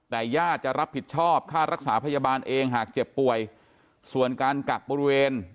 แต่ญาติจะรับผิดชอบค่ารักษาพยาบาลเองหากเจ็บป่วยส่วนการกักบริเวณ